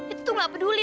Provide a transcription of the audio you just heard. itu tuh gak peduli